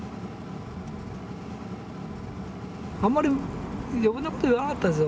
あんまり余分なこと言わなかったですよ。